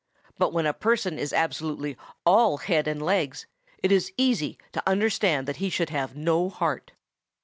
But when a person is absolutely all head and legs, it is easy to understand that he should have no heart."